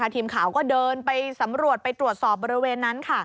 ทีมข่าวก็เดินไปสำรวจไปตรวจสอบบริเวณนั้น